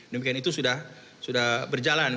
demikian itu sudah berjalan